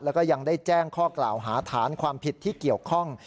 แล้วก็ยังได้แจ้งข้อกล่าวหาฐานความผิดที่เกี่ยวข้อง